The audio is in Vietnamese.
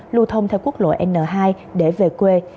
lưu thông theo quốc lộ n hai để về quê